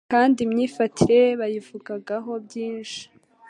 kandi imyifatire ye bayivugagaho byinshi.